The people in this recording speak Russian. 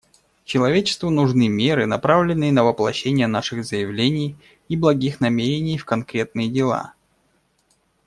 Человечеству нужны меры, направленные на воплощение наших заявлений и благих намерений в конкретные дела.